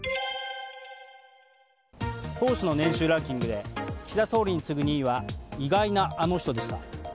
党首の年収ランキングで岸田総理に次ぐ２位は意外なあの人でした。